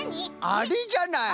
あれじゃない。